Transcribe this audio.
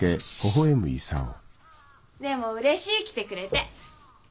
でもうれしい来てくれて。